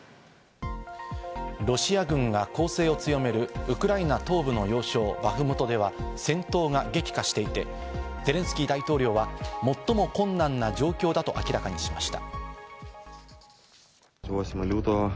ロシア軍が攻勢を強めるウクライナ東部の要衝バフムトでは、戦闘が激化していて、ゼレンスキー大統領は最も困難な状況だと明らかにしました。